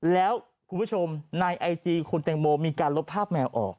แล้วคุณผู้ชมในไอจีคุณแตงโมมีการลบภาพแมวออก